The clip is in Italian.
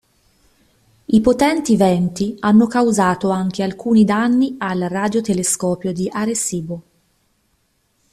I potenti venti hanno causato anche alcuni danni al radiotelescopio di Arecibo.